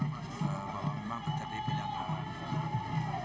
memang terjadi penyakit